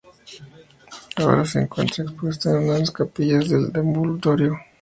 Ahora se encuentra expuesta en una de las capillas del deambulatorio.